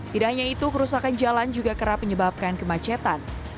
tidak hanya itu kerusakan jalan juga kerap menyebabkan kemacetan